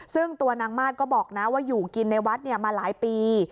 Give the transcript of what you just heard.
ซึ่งตัวนางมาสก็บอกนะว่าอยู่กินในวัดมาหลายปี